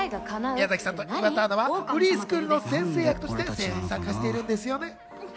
宮崎さんと岩田アナはフリースクールの先生役として声優に参加してるんですよね。